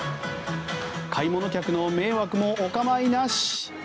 買い物客の迷惑もお構いなし。